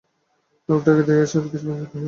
লোকটাকে দেখিয়া সাহেব কিছু বিস্মিত হইয়া গেলেন।